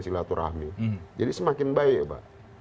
silaturahmi jadi semakin baik pak